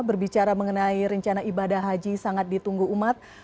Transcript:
berbicara mengenai rencana ibadah haji sangat ditunggu umat